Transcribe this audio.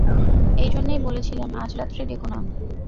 এইজন্যেই বলেছিলেম আজ রাত্রে ডেকো না।